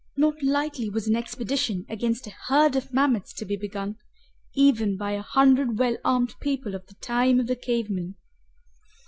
Not lightly was an expedition against a herd of mammoths to be begun, even by a hundred well armed people of the time of the cave men.